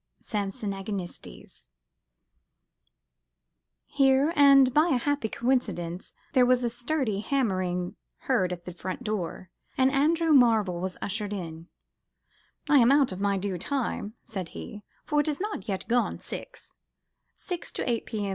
(Samson Agonistes). Here, by a happy coincidence, there was a sturdy hammering heard at the front door, and Andrew Marvell was ushered in, "I am out of my due time," said he, "for it is not yet gone six," (six to eight P.M.